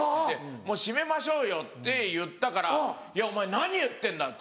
もう閉めましょうよ」って言ったから「いやお前何言ってんだ！